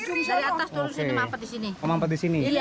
dari atas turun sini mampet di sini